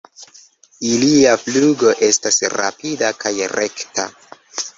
Ilia flugo estas rapida kaj rekta.